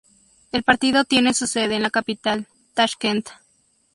El partido tiene su sede en la capital, Tashkent.